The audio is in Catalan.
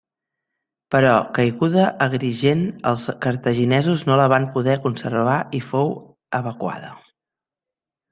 Però caiguda Agrigent els cartaginesos no la van poder conservar i fou evacuada.